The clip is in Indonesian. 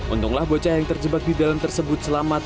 untunglah bocah yang terjebak di dalam tersebut selamat